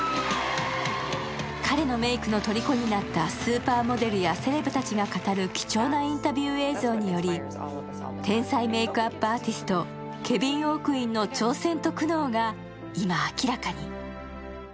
彼のメイクのとりこになったスーパーモデルやセレブたちが語る貴重なインタビュー映像により天才メイクアップ・アーティストケヴィン・オークインの挑戦と苦悩が今、明らかに。